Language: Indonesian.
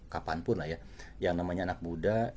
kapanpun lah ya yang namanya anak muda